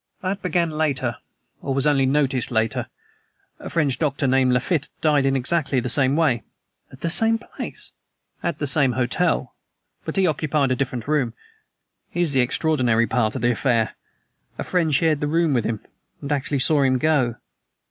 "That began later, or was only noticed later. A French doctor, named Lafitte, died in exactly the same way." "At the same place?" "At the same hotel; but he occupied a different room. Here is the extraordinary part of the affair: a friend shared the room with him, and actually saw him go!"